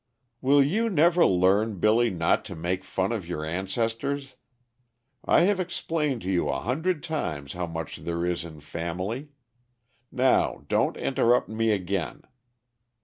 "Will you never learn, Billy, not to make fun of your ancestors? I have explained to you a hundred times how much there is in family. Now don't interrupt me again.